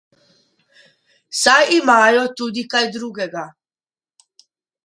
Saj imajo tudi kaj drugega.